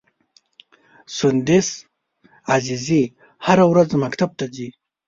سُدیس عزیزي هره ورځ مکتب ته ځي.